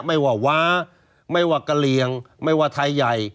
ไม่ว่าว้าไม่ว่ากะเหลี่ยงไม่ว่าไทยใหญ่